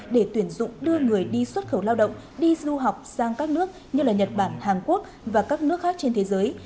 để tuyển dụng đưa người đi xuất khẩu lao động đi du học sang các nước như nhật bản hàn quốc và các nước khác trên thế giới